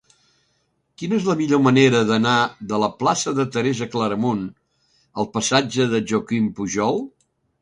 Quina és la millor manera d'anar de la plaça de Teresa Claramunt al passatge de Joaquim Pujol?